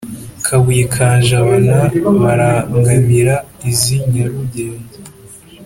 kabuye ka jabana barangamira iz’i nyarugenge,